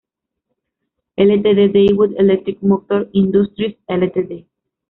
Ltd, Daewoo Electric Motor Industries Ltd.